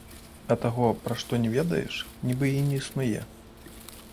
А таго, пра што не ведаеш, нібы і не існуе.